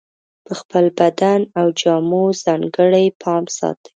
په خپل بدن او جامو ځانګړی پام ساتي.